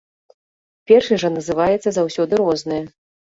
Першай жа называецца заўсёды рознае.